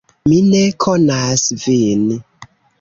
Mi ne konas vin.